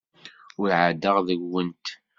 Ur ɛeddaɣ deg-went.